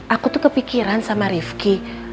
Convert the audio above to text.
aku tuh kepikiran sama rifki